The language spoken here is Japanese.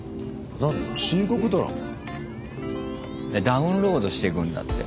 ダウンロードしていくんだって。